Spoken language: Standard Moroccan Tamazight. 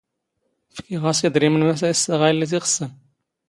ⴼⴽⵉⵖ ⴰⵙ ⵉⴷⵔⵉⵎⵏ ⵎⴰⵙ ⴰ ⵉⵙⵙⴰⵖ ⴰⵢⵍⵍⵉ ⵜ ⵉⵅⵚⵚⴰⵏ.